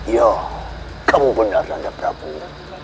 ya kamu benar benar prabunya